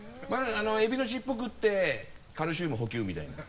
エビのしっぽ食ってカルシウムを補給みたいな。